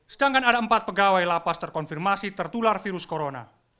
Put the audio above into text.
sedangkan ada empat pegawai lapas terkonfirmasi tertular virus corona